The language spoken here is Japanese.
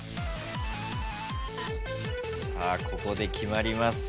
ここで決まります。